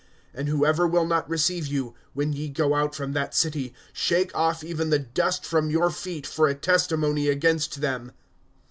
(5)And whoever will not receive you, when ye go out from that city, shake off even the dust from your feet for a testimony against them.